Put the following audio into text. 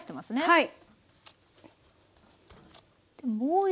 はい。